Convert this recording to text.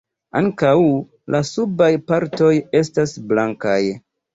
Ankaŭ la subaj partoj estas blankaj.